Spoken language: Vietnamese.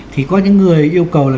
thì có những người yêu cầu là